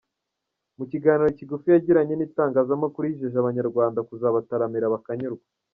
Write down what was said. Mu kiganiro kigufi yagiranye n’itangazamakuru yijeje Abanyarwanda kuzabataramira bakanyurwa.